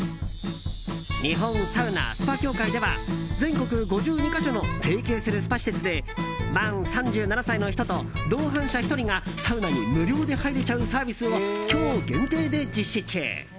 日本サウナ・スパ協会では全国５２か所の提携するスパ施設で満３７歳の人と同伴者１人がサウナに無料で入れちゃうサービスを今日限定で実施中。